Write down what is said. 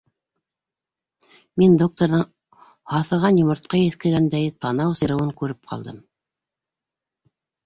Мин докторҙың, һаҫыған йомортҡа еҫкәгәндәй, танау сирыуын күреп ҡалдым.